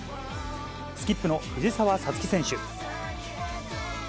スキップの藤澤五月選手。